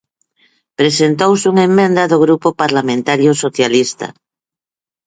Presentouse unha emenda do Grupo Parlamentario Socialista.